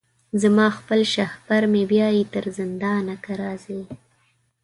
زما خپل شهپر مي بیايي تر زندانه که راځې